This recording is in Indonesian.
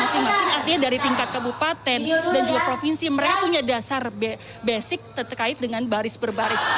di sekolah yang mereka masing masing artinya dari tingkat kabupaten dan juga provinsi mereka punya dasar basic terkait dengan baris baris